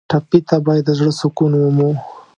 ټپي ته باید د زړه سکون ومومو.